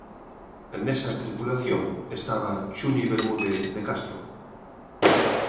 Nesa tripulación estaba Chuni Bermúdez de Castro.